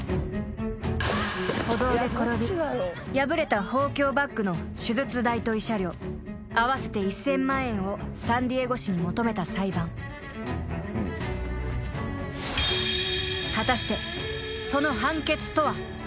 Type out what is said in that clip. ［歩道で転び破れた豊胸バッグの手術代と慰謝料合わせて１，０００万円をサンディエゴ市に求めた裁判］何で！？